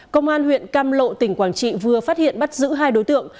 công an huyện cam lộ tỉnh quảng trị vừa phát hiện bắt giữ hai đối tượng